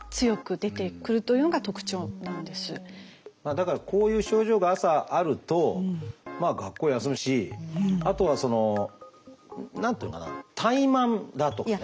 だからこういう症状が朝あるとまあ学校休むしあとは何ていうのかな怠慢だとかね。